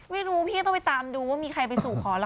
ไม่รู้พี่ต้องไปตามดูว่ามีใครไปสู่ขอล่ะ